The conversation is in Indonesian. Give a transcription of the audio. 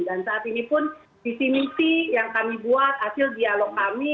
dan saat ini pun sisi misi yang kami buat hasil dialog kami